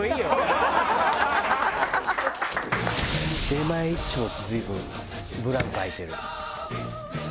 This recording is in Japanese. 出前一丁って随分ブランク空いてる。